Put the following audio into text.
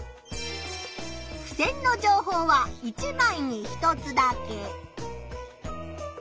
ふせんの情報は１枚に１つだけ。